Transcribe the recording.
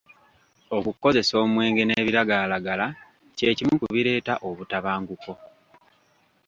Okukozesa omwenge n'ebiragalalagala kye kimu ku bireeta obutabanguko.